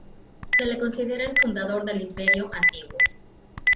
Se le considera el fundador del Imperio Antiguo.